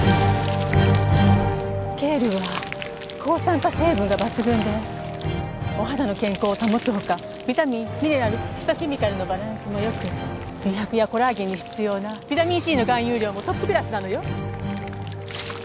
ケールは抗酸化成分が抜群でお肌の健康を保つ他ビタミンミネラルフィトケミカルのバランスも良く美白やコラーゲンに必要なビタミンＣの含有量もトップクラスなのよ。